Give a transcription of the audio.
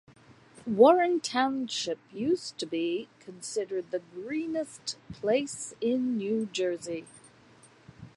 Warren Township used to be considered the greenest place in New Jersey.